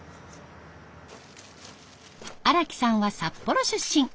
荒木さんは札幌出身。